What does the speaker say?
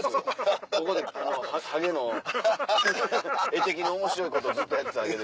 ここでハゲの画的に面白いことずっとやってただけで。